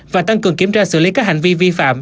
và tăng cường kiểm tra xử lý các hành vi vi phạm